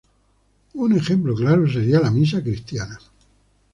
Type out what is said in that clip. Un ejemplo claro sería la Misa cristiana.